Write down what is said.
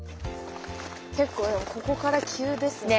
結構ここから急ですね。